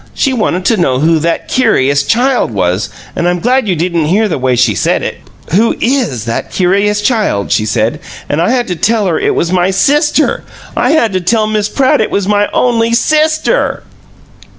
She wanted to know who 'that curious child' was, and I'm glad you didn't hear the way she said it. 'Who IS that curious child?' she said, and I had to tell her it was my sister. I had to tell Miss PRATT it was my only SISTER!"